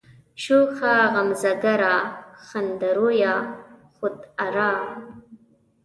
شوخه غمزه گره، خنده رویه، خود آرا